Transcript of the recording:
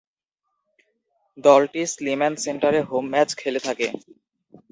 দলটি স্লিম্যান সেন্টারে home match খেলে থাকে।